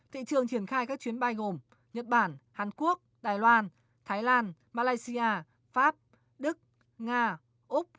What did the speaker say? thị trường triển khai các chuyến bay gồm nhật bản hàn quốc đài loan thái lan malaysia pháp đức nga úc